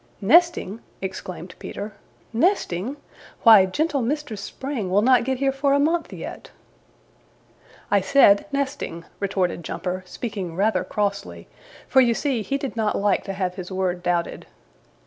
"Nesting!" exclaimed Peter. "Nesting! Why, gentle Mistress Spring will not get here for a month yet!" "I said NESTING," retorted Jumper, speaking rather crossly, for you see he did not like to have his word doubted.